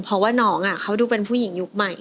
เพราะว่าน้องเขาดูเป็นผู้หญิงยุคใหม่